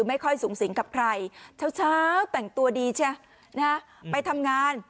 ไม่ค่อยสูงสิงกับใครเช้าแต่งตัวดีใช่ไหมไปทำงาน